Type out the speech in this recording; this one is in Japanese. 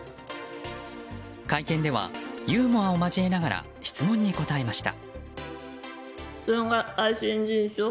会見ではユーモアを交えながら質問に答えました。